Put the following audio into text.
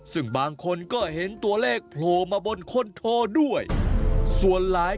ซึ่งบางคนก็เห็นตัวเลขโผล่มาบนคนโทด้วยส่วนหลาย